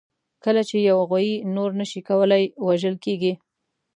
کله چې یوه غویي نور نه شي کولای، وژل کېږي.